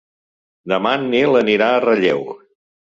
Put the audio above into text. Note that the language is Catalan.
Demà en Nil anirà a Relleu.